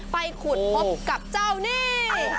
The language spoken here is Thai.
ไปขุดพบกับเจ้านี่